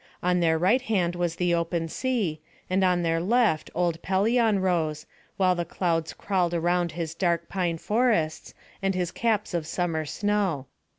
On their right hand was the open sea, and on their left old Pelion rose, while the clouds crawled round his dark pine forests, and his caps of summer snow.